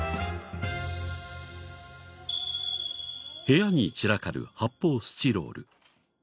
部屋に散らかる発泡スチロール。